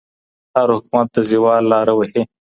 هر حکومت د زوال لاره وهي.